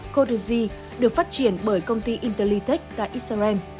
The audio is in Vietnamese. codeg được phát triển bởi công ty intellitech tại israel